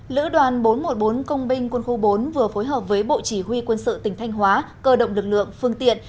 lữ đoàn bốn trăm một mươi bốn công binh quân khu bốn vừa phối hợp với bộ chỉ huy quân sự tỉnh thanh hóa cơ động lực lượng phương tiện